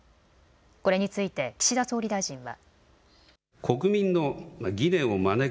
これについて岸田総理大臣は。